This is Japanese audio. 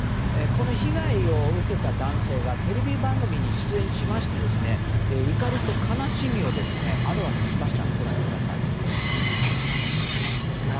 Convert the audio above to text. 被害を受けた男性がテレビ番組に出演しまして怒りと悲しみをあらわにしました。